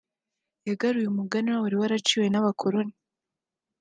yagaruye umuganura wari waraciwe n’abakoloni